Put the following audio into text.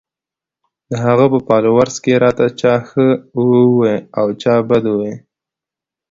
د هغه پۀ فالوورز کښې راته چا ښۀ اووې او چا بد اووې